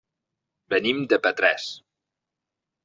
Venim de Petrés.